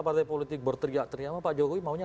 partai politik berteriak teriak pak jokowi maunya